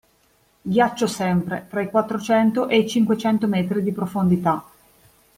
Ghiaccio sempre, tra i quattrocento e i cinquecento metri di profondità.